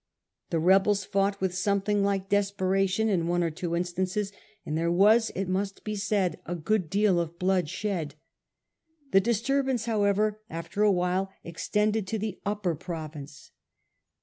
The rebels fought with something like desperation in one or two instances, and there was, it must be said, a good deal of blood shed. The disturbance, however, after a while extended to the upper province.